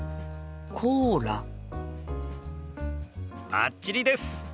バッチリです！